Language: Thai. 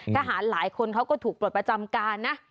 หลายคนเขาก็ถูกปลดประจำการนะ